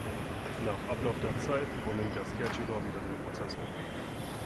Nach Ablauf der Zeit übernimmt der Scheduler wieder den Prozessor.